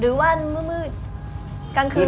หรือว่ามืดกลางคืน